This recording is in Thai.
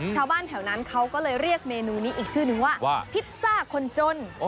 ชาวบ้านแถวนั้นเขาก็เลยเรียกเมนูนี้อีกชื่อนึงว่าพิซซ่าคนจน